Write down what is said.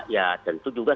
ya tentu juga